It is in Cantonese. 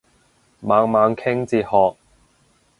猛猛傾哲學